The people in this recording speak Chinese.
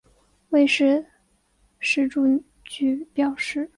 未施实住居表示。